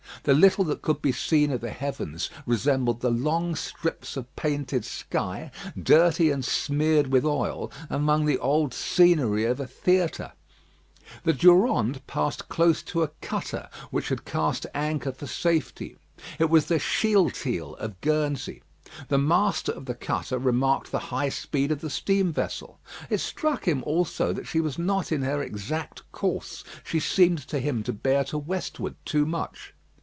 The little that could be seen of the heavens resembled the long strips of painted sky, dirty and smeared with oil, among the old scenery of a theatre. The Durande passed close to a cutter which had cast anchor for safety. It was the Shealtiel of Guernsey. The master of the cutter remarked the high speed of the steam vessel. It struck him also, that she was not in her exact course. She seemed to him to bear to westward too much.